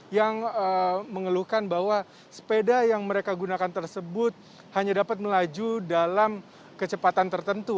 yang mengeluhkan bahwa sepeda yang mereka gunakan tersebut hanya dapat melaju dalam kecepatan tertentu